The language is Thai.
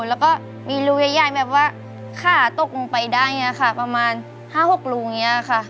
แล้วก็มีรูใหญ่แบบว่าขาตกลงไปได้อย่างนี้ค่ะประมาณ๕๖รูอย่างนี้ค่ะ